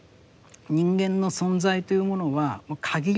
人間の存在というものは限りなく